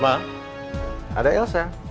mas ada ilsa